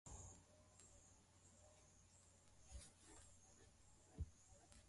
na sasa tuangazie ziara ya rais obama barani amerika kusini